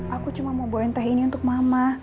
aku cuma mau buang teh ini untuk mama